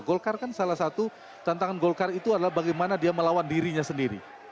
golkar kan salah satu tantangan golkar itu adalah bagaimana dia melawan dirinya sendiri